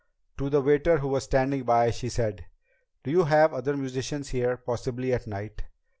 To the waiter who was standing by, she said, "Do you have other musicians here, possibly at night?"